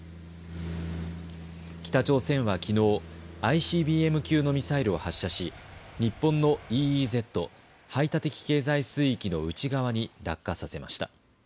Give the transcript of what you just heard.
北朝鮮はきのうＩＣＢＭ級のミサイルを発射し日本のＥＥＺ・排他的経済水域の内側に落下させました。